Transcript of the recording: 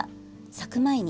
咲く前に。